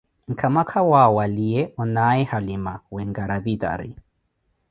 Nkama kawa waliye onaye hamila, wencaravitari